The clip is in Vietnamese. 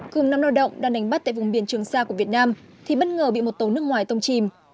cùng năm lao động đang đánh bắt tại vùng biển trường sa của việt nam thì bất ngờ bị một tàu nước ngoài tông chìm